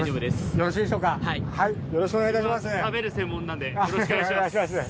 よろしくお願いします。